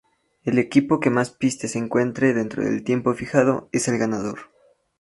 El equipo que más pistas encuentra dentro del tiempo fijado es el ganador.